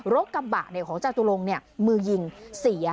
โรคกำบากในของจตุรงค์นี่มือยิงเสีย